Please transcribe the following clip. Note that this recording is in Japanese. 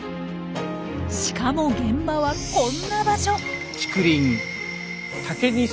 しかも現場はこんな場所。